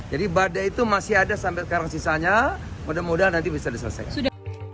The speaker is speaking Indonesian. jadi badai itu masih ada sampai sekarang sisanya mudah mudahan nanti bisa diselesaikan